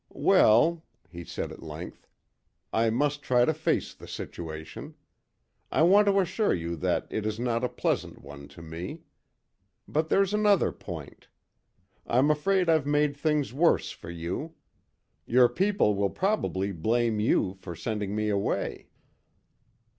"Well," he said at length, "I must try to face the situation; I want to assure you that it is not a pleasant one to me. But there's another point. I'm afraid I've made things worse for you. Your people will probably blame you for sending me away."